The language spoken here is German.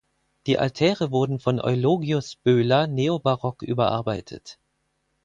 Die Altäre wurden von Eulogius Böhler neobarock überarbeitet.